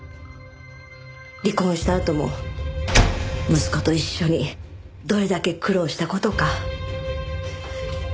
離婚したあとも息子と一緒にどれだけ苦労した事か。